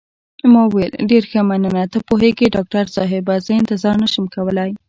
ما وویل: ډېر ښه، مننه، ته پوهېږې ډاکټر صاحبه، زه انتظار نه شم کولای.